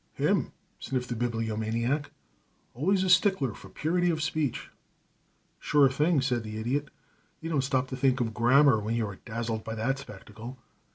'" "Him?" sniffed the Bibliomaniac, always a stickler for purity of speech. "Sure thing!" said the Idiot. "You don't stop to think of grammar when you are dazzled by that spectacle.